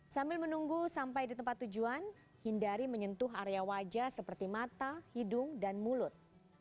sambil menunggu sampai di tempat tujuan hindari menyentuh area wajah seperti mata hidung dan mulut